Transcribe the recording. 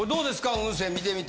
運勢見てみて。